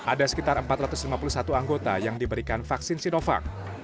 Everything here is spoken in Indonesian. ada sekitar empat ratus lima puluh satu anggota yang diberikan vaksin sinovac